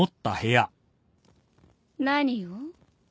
何を？